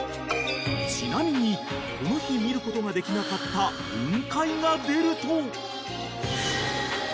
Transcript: ［ちなみにこの日見ることができなかった雲海が出ると］